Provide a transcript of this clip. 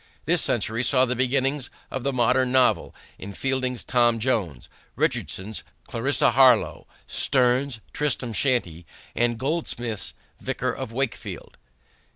This century saw the beginnings of the modern novel, in Fielding's Tom Jones, Richardson's Clarissa Harlowe, Sterne's Tristram Shandy, and Goldsmith's Vicar of Wakefield.